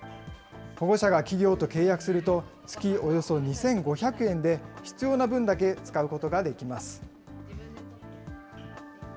保護者が企業と契約すると、月およそ２５００円で必要な分だけ使うことができます。